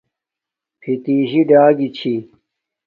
فیتشی ڈا گی چھی